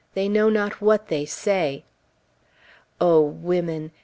They know not what they say!" O women!